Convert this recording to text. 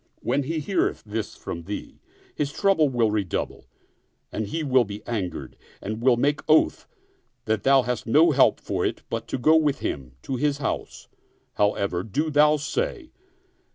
When he heareth this from thee, his trouble will redouble and he will be angered and will make oath that thou hast no help for it but to go with him to his house: however, do thou say.